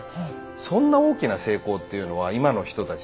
そんな大きな成功というのは今の人たち